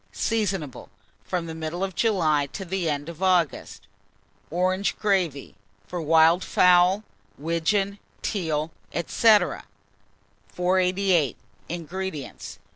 Seasonable from the middle of July to the end of August. ORANGE GRAVY, for Wildfowl, Widgeon, Teal, &c. 488. INGREDIENTS.